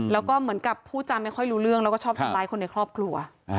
แล้วก็เหมือนกับพูดจาไม่ค่อยรู้เรื่องแล้วก็ชอบทำร้ายคนในครอบครัว